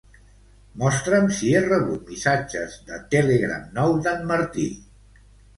Mostra'm si he rebut missatges de Telegram nous d'en Martí.